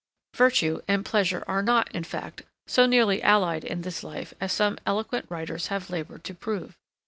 Virtue, and pleasure are not, in fact, so nearly allied in this life as some eloquent writers have laboured to prove.